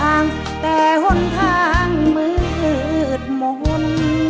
สว่างแต่หล่นทางมืดหมุน